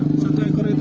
ya satu ekor itu